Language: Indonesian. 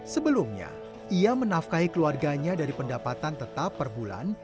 sebelumnya ia menafkahi keluarganya dari pendapatan tetap per bulan